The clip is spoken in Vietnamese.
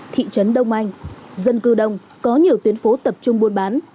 thị trấn đông anh dân cư đông có nhiều tuyến phố tập trung buôn bán